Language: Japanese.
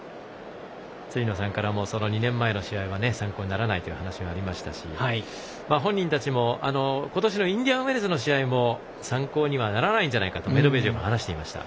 辻野さんからもその２年前の試合は参考にならないという話がありましたし本人たちも今年のインディアンウェルズの試合も参考にはならないんじゃないかとメドベージェフは話していました。